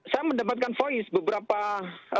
saya mendapatkan voice beberapa